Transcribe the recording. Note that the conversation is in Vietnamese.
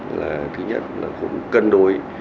là thứ nhất là cũng cân đối